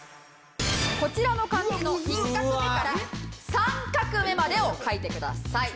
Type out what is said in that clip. こちらの漢字の１画目から３画目までを書いてください。